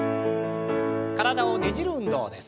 体をねじる運動です。